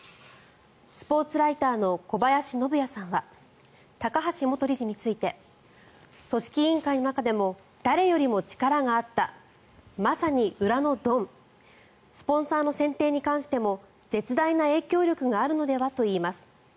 スポーツライターの小林信也さんは高橋元理事について組織委員会の中でも誰よりも力があったまさに裏のドンスポンサーの選定に関しても絶大な影響力があるのではといいます。